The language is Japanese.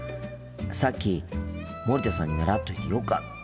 さっき森田さんに習っといてよかった。